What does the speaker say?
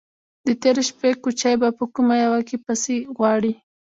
_د تېرې شپې کوچی به په کومه يوه کې پسې غواړې؟